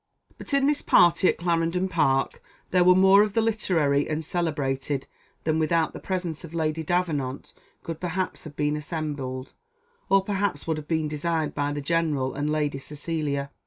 But in this party at Clarendon Park there were more of the literary and celebrated than without the presence of Lady Davenant could perhaps have been assembled, or perhaps would have been desired by the general and Lady Cecilia.